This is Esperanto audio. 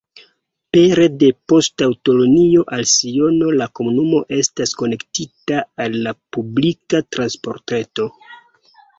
Pere de poŝtaŭtolinio al Siono la komunumo estas konektita al la publika transportreto.